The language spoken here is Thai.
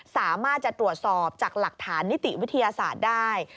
สามารถจะตรวจสอบจากหลักฐานนิติวิทยาศาสตร์ได้